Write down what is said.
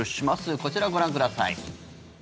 こちらをご覧ください。